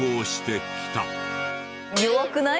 弱くない？